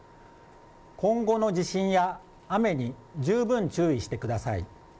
今後の地震や雨に十分注意してください。